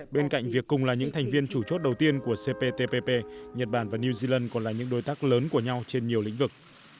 bên cạnh việc cùng là những thành viên chủ chốt đầu tiên của cptpp nhật bản và new zealand còn là những đối tác lớn của nhau trên nhiều lĩnh vực